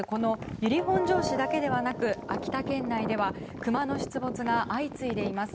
由利本荘市だけではなく秋田県内ではクマの出没が相次いでいます。